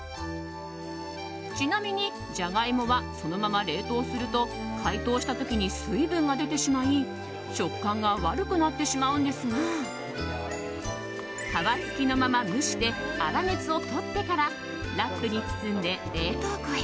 ちなみに、ジャガイモはそのまま冷凍すると解凍した時に水分が出てしまい食感が悪くなってしまうんですが皮付きのまま蒸して粗熱をとってからラップに包んで冷凍庫へ。